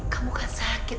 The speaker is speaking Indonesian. kamu kan sakit